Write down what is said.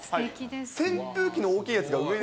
扇風機の大きいやつが上で